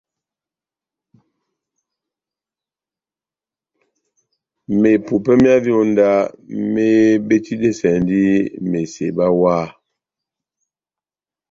Mepupè myá vyonda mebetidɛsɛndi meseba wah.